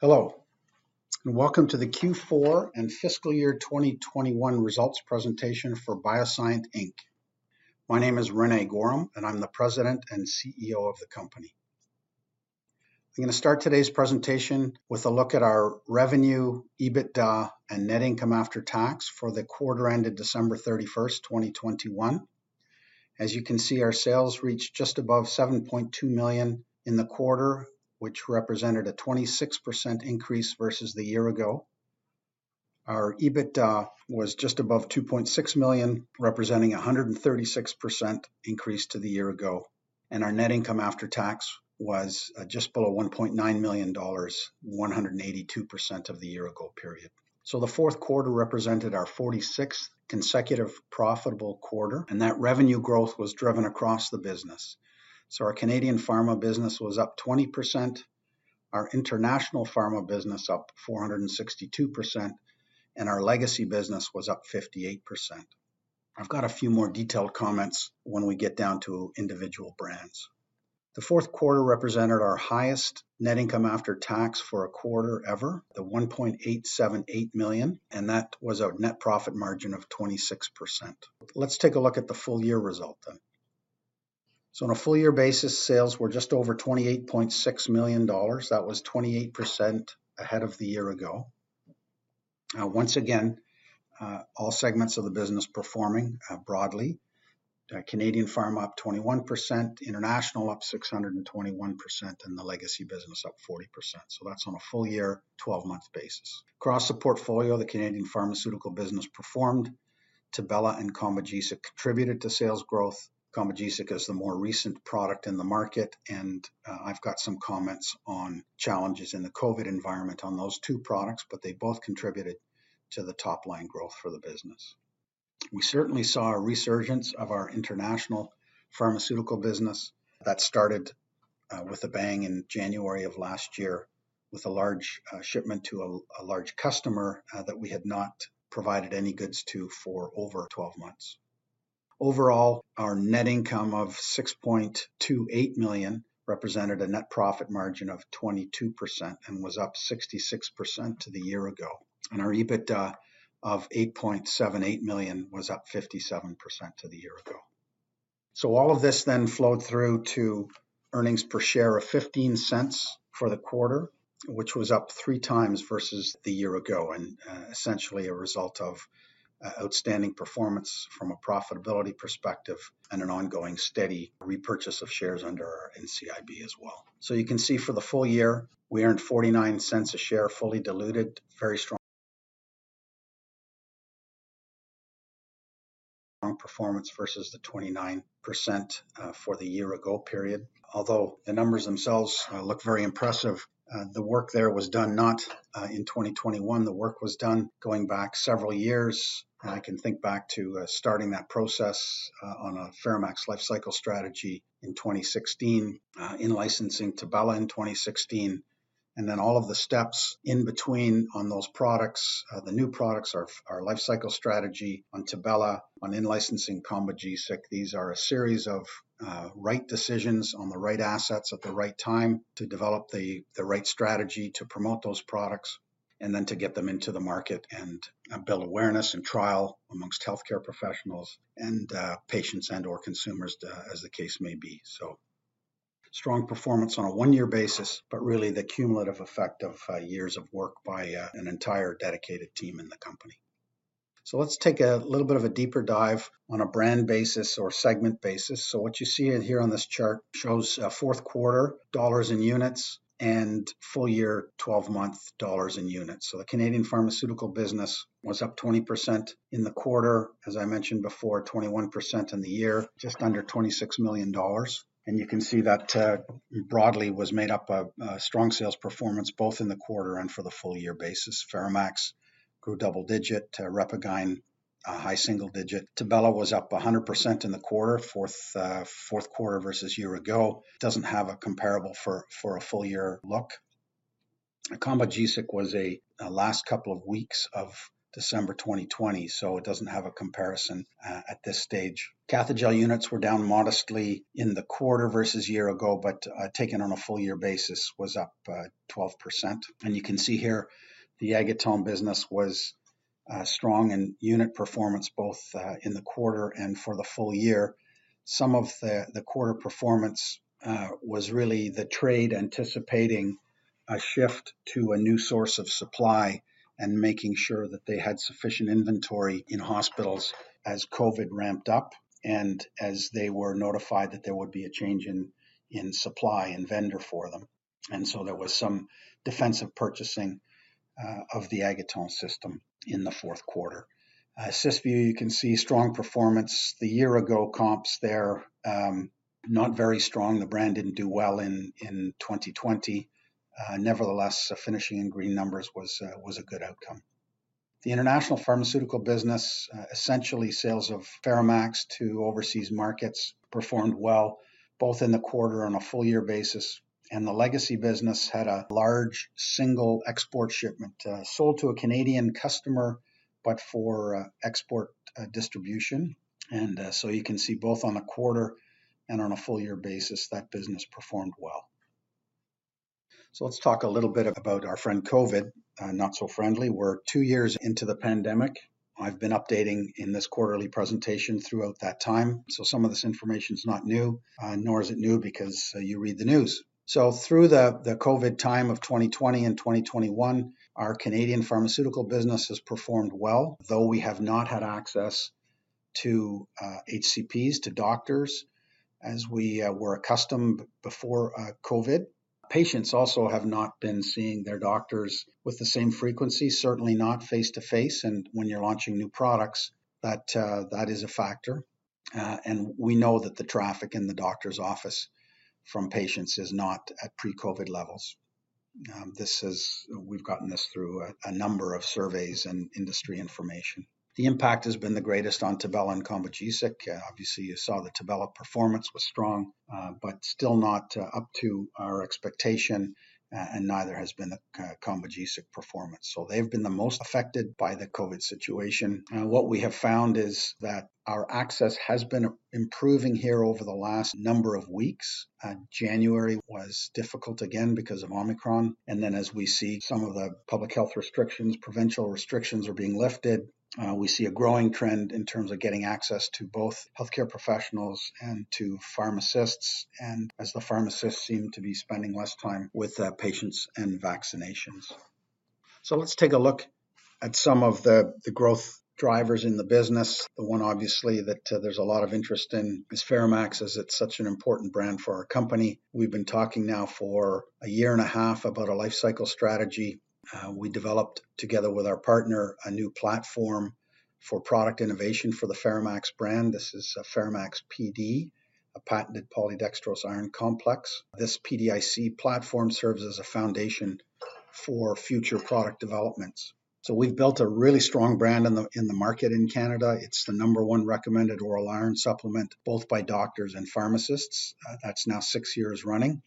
Hello, and welcome to the Q4 and fiscal year 2021 results presentation for BioSyent Inc. My name is René Goehrum, and I'm the President and CEO of the company. I'm gonna start today's presentation with a look at our revenue, EBITDA, and net income after tax for the quarter ended December 31st, 2021. As you can see, our sales reached just above 7.2 million in the quarter, which represented a 26% increase versus the year ago. Our EBITDA was just above 2.6 million, representing a 136% increase to the year ago, and our net income after tax was just below 1.9 million dollars, 182% of the year ago period. So the fourth quarter represented our 46th consecutive profitable quarter, and that revenue growth was driven across the business. Our Canadian Pharma Business was up 20%, our International Pharma Business up 462%, and our legacy business was up 58%. I've got a few more detailed comments when we get down to individual brands. The fourth quarter represented our highest net income after tax for a quarter ever at 1.878 million, and that was a net profit margin of 26%. Let's take a look at the full year result then. On a full year basis, sales were just over 28.6 million dollars. That was 28% ahead of the year ago. Once again, all segments of the business performing broadly. Canadian pharma up 21%, international up 621%, and the legacy business up 40%. That's on a full year, 12-month basis. Across the portfolio, the Canadian Pharmaceutical Business performed. Tibella and Combogesic contributed to sales growth. Combogesic is the more recent product in the market, and I've got some comments on challenges in the COVID environment on those two products, but they both contributed to the top-line growth for the business. We certainly saw a resurgence of our International Pharmaceutical Business that started with a bang in January of last year with a large shipment to a large customer that we had not provided any goods to for over 12 months. Overall, our net income of 6.28 million represented a net profit margin of 22% and was up 66% to the year ago. Our EBITDA of 8.78 million was up 57% to the year ago. So, all of this then flowed through to earnings per share of 0.15 for the quarter, which was up 3x versus the year ago, and essentially a result of outstanding performance from a profitability perspective and an ongoing steady repurchase of shares under our NCIB as well. You can see for the full year, we earned 0.49 a share, fully diluted. Very strong performance versus the 0.29 for the year ago period. Although the numbers themselves look very impressive, the work there was done not in 2021. The work was done going back several years. I can think back to starting that process on a FeraMAX lifecycle strategy in 2016, in licensing Tibella in 2016, and then all of the steps in between on those products, the new products, our lifecycle strategy on Tibella, on in licensing Combogesic. These are a series of right decisions on the right assets at the right time to develop the right strategy to promote those products, and then to get them into the market and build awareness and trial amongst healthcare professionals and patients and/or consumers, as the case may be. Strong performance on a one-year basis, but really the cumulative effect of years of work by an entire dedicated team in the company. Let's take a little bit of a deeper dive on a brand basis or segment basis. What you see in here on this chart shows fourth quarter dollars and units and full-year 12-month dollars and units. The Canadian Pharmaceutical Business was up 20% in the quarter. As I mentioned before, 21% in the year, just under 26 million dollars. You can see that broadly was made up of strong sales performance both in the quarter and for the full-year basis. FeraMAX grew double-digit. The RepaGyn high single-digit. Tibella was up 100% in the quarter, fourth quarter versus year-ago. It doesn't have a comparable for a full-year look. Combogesic was a, a last couple of weeks of December 2020, so it doesn't have a comparison at this stage. Cathejell units were down modestly in the quarter versus year ago, but taken on a full year basis was up 12%. You can see here the Aguettant business was strong in unit performance both in the quarter and for the full year. Some of the quarter performance was really the trade anticipating a shift to a new source of supply and making sure that they had sufficient inventory in hospitals as COVID ramped up and as they were notified that there would be a change in supply and vendor for them. There was some defensive purchasing of the Aguettant System in the fourth quarter. Cysview, you can see strong performance. The year ago comps there not very strong. The brand didn't do well in 2020. Nevertheless, finishing in green numbers was a good outcome. The international Pharmaceutical Business, essentially sales of FeraMAX to overseas markets performed well both in the quarter on a full year basis, and the legacy business had a large single export shipment, sold to a Canadian customer, but for export distribution. You can see both on a quarter and on a full year basis, that business performed well. Let's talk a little bit about our friend COVID, not so friendly. We're two years into the pandemic. I've been updating in this quarterly presentation throughout that time, so some of this information's not new, nor is it new because you read the news. Through the COVID time of 2020 and 2021, our Canadian Pharmaceutical Business has performed well, though we have not had access to HCPs, to doctors, as we were accustomed before COVID. Patients also have not been seeing their doctors with the same frequency, certainly not face-to-face. When you're launching new products, that is a factor. We know that the traffic in the doctor's office from patients is not at pre-COVID levels. We've gotten this through a number of surveys and industry information. The impact has been the greatest on Tibella and Combogesic. Obviously, you saw the Tibella performance was strong, but still not up to our expectation, and neither has been the Combogesic performance. They've been the most affected by the COVID situation. What we have found is that our access has been improving here over the last number of weeks. January was difficult again because of Omicron. Then as we see some of the public health restrictions, provincial restrictions are being lifted, we see a growing trend in terms of getting access to both healthcare professionals and to pharmacists, and as the pharmacists seem to be spending less time with patients and vaccinations. Let's take a look at some of the growth drivers in the business. The one, obviously, that there's a lot of interest in is FeraMAX, as it's such an important brand for our company. We've been talking now for a year and a half about a lifecycle strategy. We developed together with our partner a new platform for product innovation for the FeraMAX brand. This is a FeraMAX Pd, a patented polydextrose iron complex. This PDIC platform serves as a foundation for future product developments. We've built a really strong brand in the market in Canada. It's the number one recommended oral iron supplement, both by doctors and pharmacists. That's now 6 years running.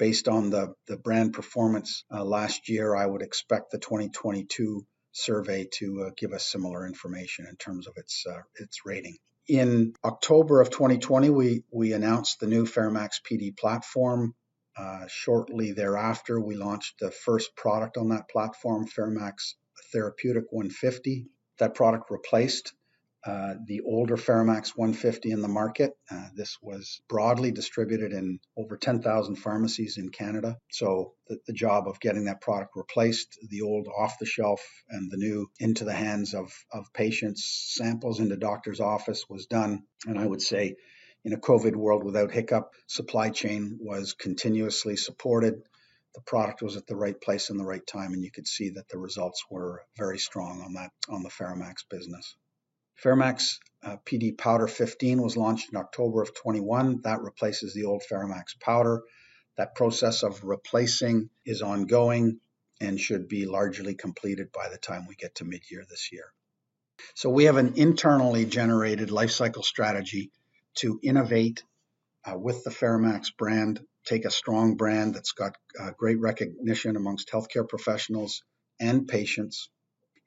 Based on the brand performance last year, I would expect the 2022 survey to give us similar information in terms of its rating. In October of 2020, we announced the new FeraMAX Pd platform. Shortly thereafter, we launched the first product on that platform, FeraMAX Pd Therapeutic 150. That product replaced the older FeraMAX 150 in the market. This was broadly distributed in over 10,000 pharmacies in Canada. The job of getting that product replaced, the old off the shelf and the new into the hands of patients, samples in the doctor's office was done. I would say, in a COVID world without hiccup, supply chain was continuously supported. The product was at the right place and the right time, and you could see that the results were very strong on that, on the FeraMAX business. FeraMAX Pd Powder 15 was launched in October 2021. That replaces the old FeraMAX powder. That process of replacing is ongoing and should be largely completed by the time we get to mid-year this year. We have an internally generated lifecycle strategy to innovate with the FeraMAX brand, take a strong brand that's got great recognition among healthcare professionals and patients,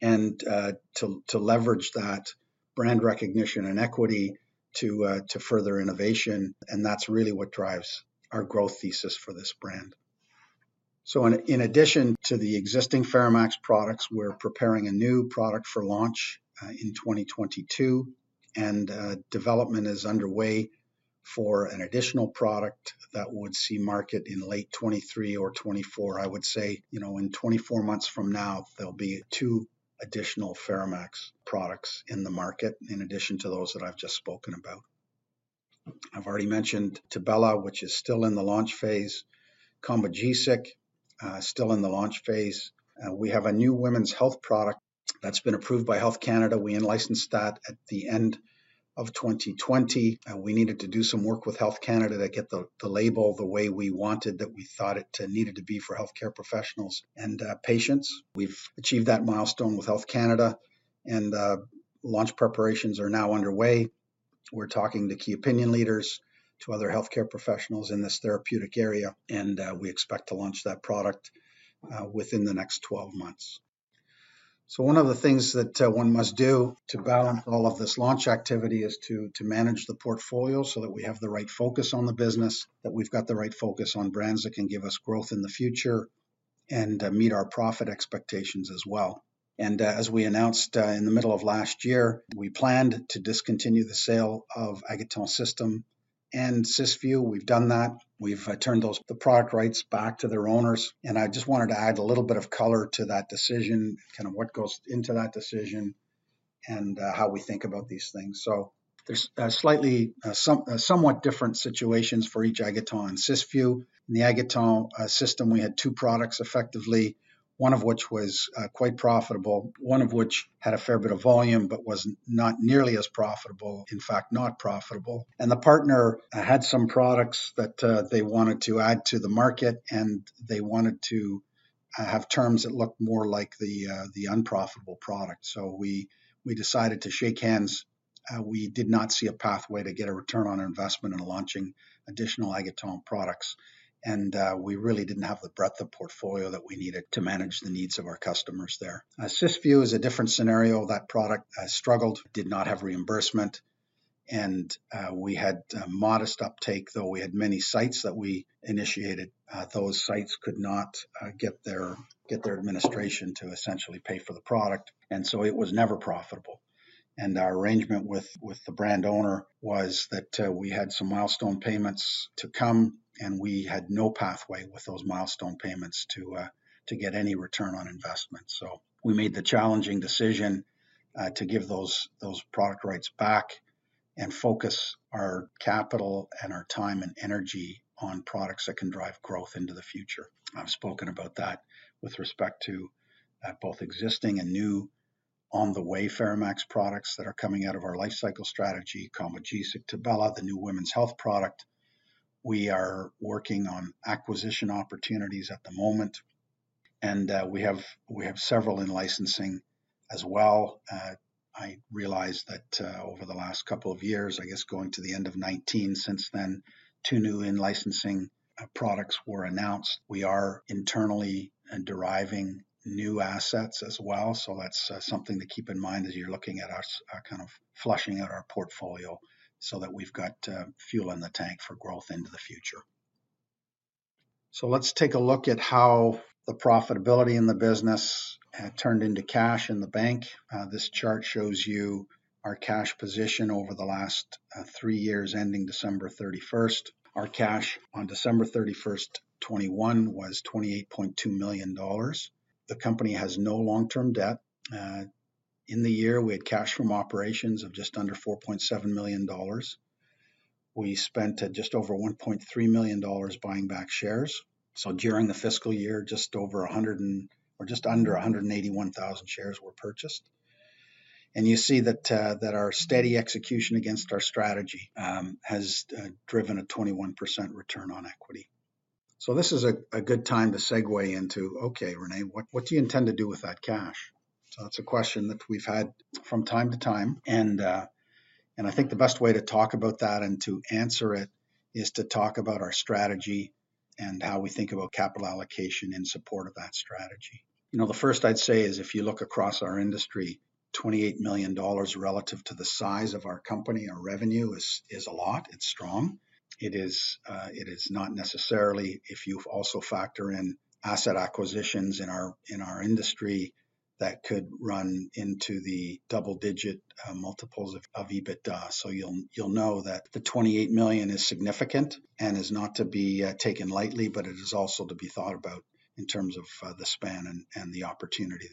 and to leverage that brand recognition and equity to further innovation, and that's really what drives our growth thesis for this brand. In addition to the existing FeraMAX products, we're preparing a new product for launch in 2022. Development is underway for an additional product that would see market in late 2023 or 2024. I would say, you know, in 24 months from now, there'll be two additional FeraMAX products in the market in addition to those that I've just spoken about. I've already mentioned Tibella, which is still in the launch phase. Combogesic still in the launch phase. We have a new Women's Health Product that's been approved by Health Canada. We in-licensed that at the end of 2020, and we needed to do some work with Health Canada to get the label the way we wanted, that we thought it needed to be for healthcare professionals and patients. We've achieved that milestone with Health Canada, and launch preparations are now underway. We're talking to key opinion leaders, to other healthcare professionals in this therapeutic area, and we expect to launch that product within the next 12 months. One of the things that one must do to balance all of this launch activity is to manage the portfolio so that we have the right focus on the business, that we've got the right focus on brands that can give us growth in the future and meet our profit expectations as well. As we announced in the middle of last year, we planned to discontinue the sale of Aguettant System and Cysview. We've done that. We've turned those product rights back to their owners. I just wanted to add a little bit of color to that decision, kind of what goes into that decision and how we think about these things. There's somewhat different situations for each Aguettant and Cysview. In the Aguettant System, we had two products effectively, one of which was quite profitable, one of which had a fair bit of volume, but was not nearly as profitable, in fact, not profitable. The partner had some products that they wanted to add to the market, and they wanted to have terms that looked more like the unprofitable product. We decided to shake hands. We did not see a pathway to get a return on investment in launching additional Aguettant products. We really didn't have the breadth of portfolio that we needed to manage the needs of our customers there. Cysview is a different scenario. That product struggled, did not have reimbursement. We had a modest uptake, though we had many sites that we initiated. Those sites could not get their administration to essentially pay for the product, and so it was never profitable. Our arrangement with the brand owner was that we had some milestone payments to come, and we had no pathway with those milestone payments to get any return on investment. We made the challenging decision to give those product rights back and focus our capital and our time and energy on products that can drive growth into the future. I've spoken about that with respect to both existing and new on the way FeraMAX products that are coming out of our lifecycle strategy, Combogesic, Tibella, the new Women's Health Product. We are working on acquisition opportunities at the moment, and we have several in licensing as well. I realize that over the last couple of years, I guess going back to the end of 2019 since then, two new in-licensing products were announced. We are internally developing new assets as well. That's something to keep in mind as you're looking at us kind of fleshing out our portfolio so that we've got fuel in the tank for growth into the future. Let's take a look at how the profitability in the business turned into cash in the bank. This chart shows you our cash position over the last three years ending December 31st. Our cash on December 31st, 2021 was 28.2 million dollars. The company has no long-term debt. In the year, we had cash from operations of just under 4.7 million dollars. We spent just over 1.3 million dollars buying back shares. During the fiscal year, just under 181,000 shares were purchased. You see that our steady execution against our strategy has driven a 21% return on equity. This is a good time to segue into, "Okay, René, what do you intend to do with that cash?" That's a question that we've had from time to time. I think the best way to talk about that and to answer it is to talk about our strategy and how we think about capital allocation in support of that strategy. You know, the first I'd say is if you look across our industry, 28 million dollars relative to the size of our company, our revenue is a lot. It's strong. It is not necessarily if you also factor in asset acquisitions in our industry that could run into the double-digit multiples of EBITDA. So you'll know that the 28 million is significant and is not to be taken lightly, but it is also to be thought about in terms of the span and the opportunity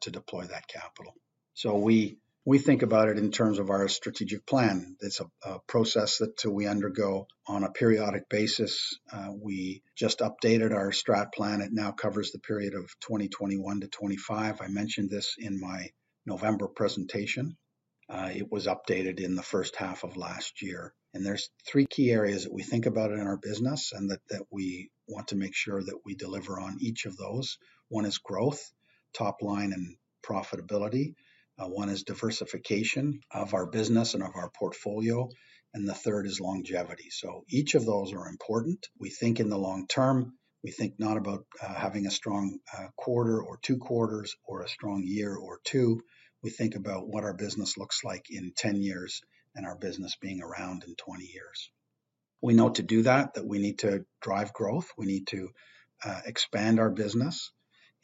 to deploy that capital. So we think about it in terms of our strategic plan. It's a process that we undergo on a periodic basis. We just updated our strat plan. It now covers the period of 2021-2025. I mentioned this in my November presentation. It was updated in the first half of last year. There's three key areas that we think about in our business and that we want to make sure that we deliver on each of those. One is growth, top line, and profitability. One is diversification of our business and of our portfolio. The third is longevity. Each of those are important. We think in the long term. We think not about having a strong quarter or two quarters or a strong year or two. We think about what our business looks like in 10 years and our business being around in 20 years. We know to do that we need to drive growth. We need to expand our business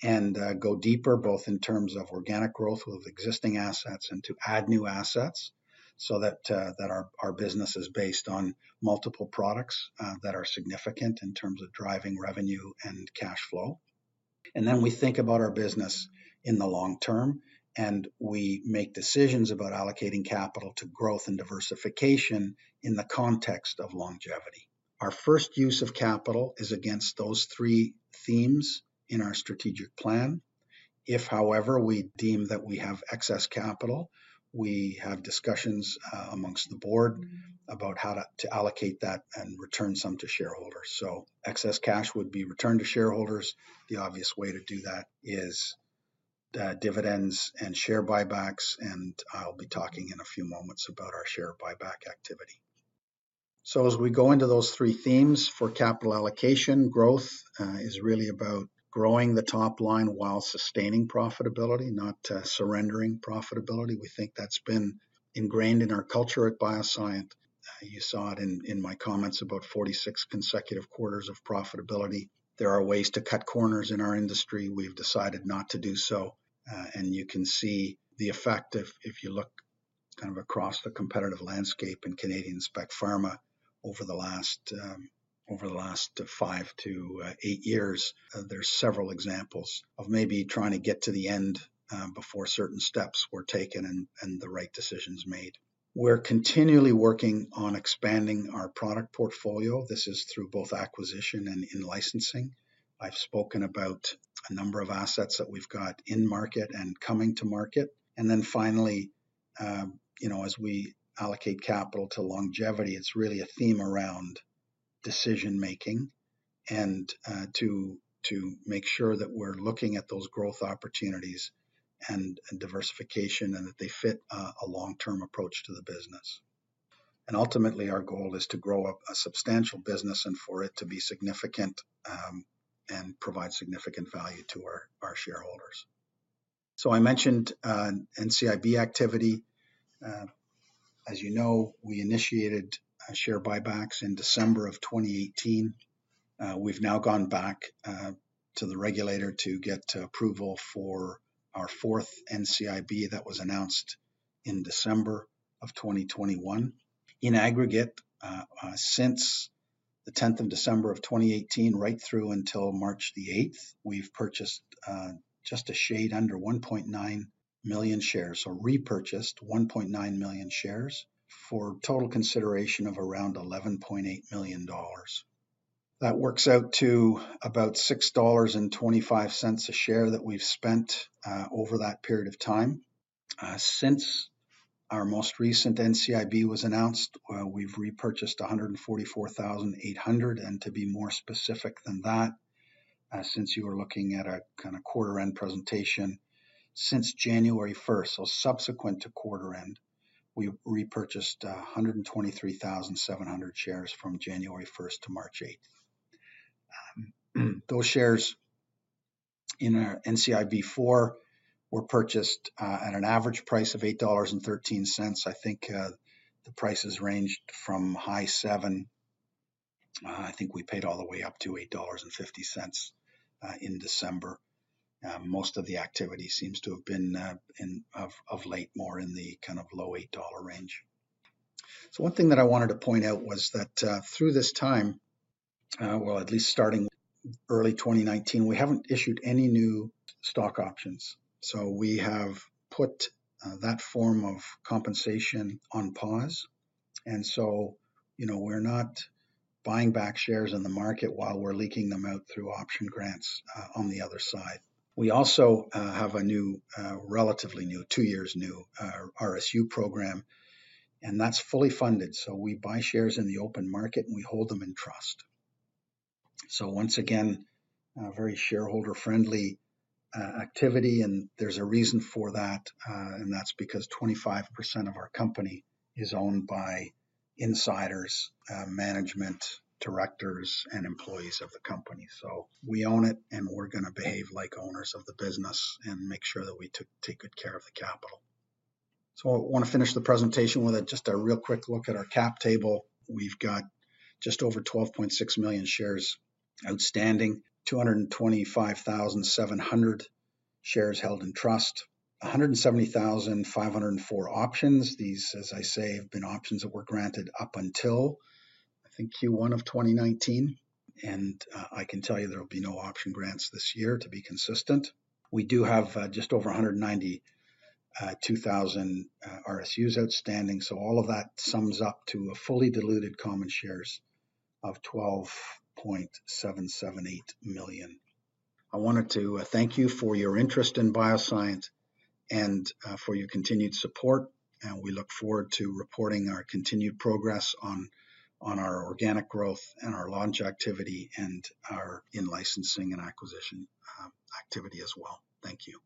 and go deeper both in terms of organic growth with existing assets and to add new assets so that our business is based on multiple products that are significant in terms of driving revenue and cash flow. Then we think about our business in the long term, and we make decisions about allocating capital to growth and diversification in the context of longevity. Our first use of capital is against those three themes in our strategic plan. If, however, we deem that we have excess capital, we have discussions among the board about how to allocate that and return some to shareholders. Excess cash would be returned to shareholders. The obvious way to do that is dividends and share buybacks, and I'll be talking in a few moments about our share buyback activity. As we go into those three themes for capital allocation, growth is really about growing the top line while sustaining profitability, not surrendering profitability. We think that's been ingrained in our culture at BioSyent. You saw it in my comments about 46 consecutive quarters of profitability. There are ways to cut corners in our industry. We've decided not to do so, and you can see the effect if you look kind of across the competitive landscape in Canadian spec pharma over the last 5-8 years. There's several examples of maybe trying to get to the end before certain steps were taken and the right decisions made. We're continually working on expanding our product portfolio. This is through both acquisition and in licensing. I've spoken about a number of assets that we've got in market and coming to market. Then finally, as we allocate capital to longevity, it's really a theme around decision-making and to make sure that we're looking at those growth opportunities and diversification and that they fit a long-term approach to the business. Ultimately, our goal is to grow up a substantial business and for it to be significant and provide significant value to our shareholders. I mentioned NCIB activity. As you know, we initiated share buybacks in December of 2018. We've now gone back to the regulator to get approval for our fourth NCIB that was announced in December of 2021. In aggregate, since the tenth of December of 2018, right through until March the 8th, we've purchased just a shade under 1.9 million shares, or repurchased 1.9 million shares for total consideration of around 11.8 million dollars. That works out to about 6.25 dollars a share that we've spent over that period of time. Since our most recent NCIB was announced, we've repurchased 144,800, and to be more specific than that, since you are looking at a kind of quarter-end presentation, since January 1st, so subsequent to quarter end, we repurchased 123,700 shares from January 1st to March 8th. Those shares in our NCIB four were purchased at an average price of 8.13 dollars. I think the prices ranged from high 7. I think we paid all the way up to 8.50 dollars in December. Most of the activity seems to have been lately more in the kind of low 8 dollar range. One thing that I wanted to point out was that through this time, well, at least starting early 2019, we haven't issued any new stock options. We have put that form of compensation on pause. You know, we're not buying back shares on the market while we're leaking them out through option grants on the other side. We also have a new, relatively new, two years new, RSU program, and that's fully funded. We buy shares in the open market, and we hold them in trust. Once again, a very shareholder-friendly activity, and there's a reason for that, and that's because 25% of our company is owned by insiders, management, directors, and employees of the company. We own it, and we're gonna behave like owners of the business and make sure that we take good care of the capital. I wanna finish the presentation with just a real quick look at our cap table. We've got just over 12.6 million shares outstanding, 225,700 shares held in trust. 170,504 options. These, as I say, have been options that were granted up until, I think, Q1 of 2019. I can tell you there will be no option grants this year to be consistent. We do have just over 192,000 RSUs outstanding. All of that sums up to a fully diluted common shares of 12.778 million. I wanted to thank you for your interest in BioSyent and for your continued support, and we look forward to reporting our continued progress on our organic growth and our launch activity and our in-licensing and acquisition activity as well. Thank you.